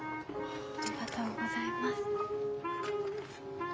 ありがとうございます。